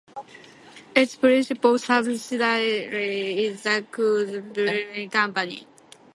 Its principal subsidiary is the Coors Brewing Company.